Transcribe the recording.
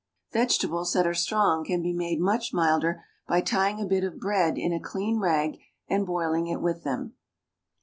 Vegetables that are strong can be made much milder by tying a bit of bread in a clean rag and boiling it with them.